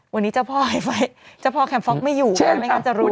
วันนี้เจ้าพ่อแคมพล็อกไม่อยู่ไม่งั้นจะรู้